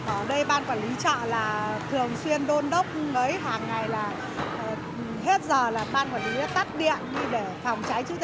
ở đây ban quản lý chợ là thường xuyên đôn đốc hàng ngày là hết giờ là ban quản lý tắt điện để phòng cháy